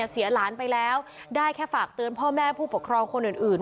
เสียหลานไปแล้วได้แค่ฝากเตือนพ่อแม่ผู้ปกครองคนอื่น